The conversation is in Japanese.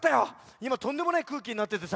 いまとんでもないくうきになっててさ。